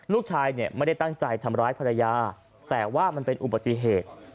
ลูกชายเนี่ยไม่ได้ตั้งใจทำร้ายภรรยาแต่ว่ามันเป็นอุบัติเหตุ